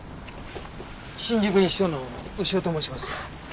新宿西署の牛尾と申します。